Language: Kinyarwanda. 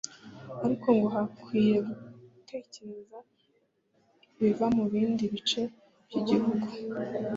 ariko ngo hakwiye gutegereza ibizava mu bindi bice by’igihugu